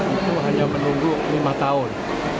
itu hanya menunggu lima tahun